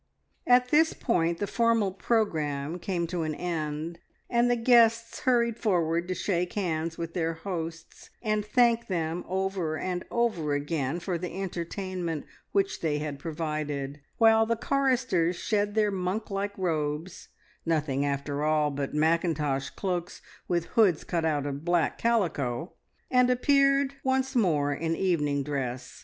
At this point the formal programme came to an end, and the guests hurried forward to shake hands with their hosts and thank them over and over again for the entertainment which they had provided, while the choristers shed their monk like robes, (nothing after all but mackintosh cloaks with hoods cut out of black calico!) and appeared once more in evening dress.